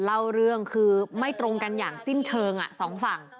เล่าเรื่องคือไม่ตรงกันอย่างสิ้นเชิงสองฝั่ง